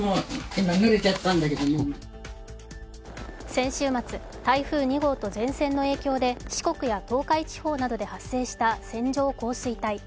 先週末、台風２号と前線の影響で四国や東海地方などで発生した線状降水帯。